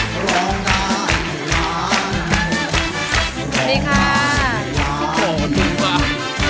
ขอดูมาขอรอง่าให้รัก